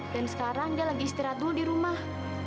dan sekarang dia lagi istirahat dulu di rumah